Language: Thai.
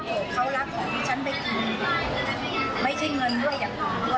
ถ้าโทษเขารักขอให้ฉันไปกินไม่ใช่เงินด้วยอยากกินด้วย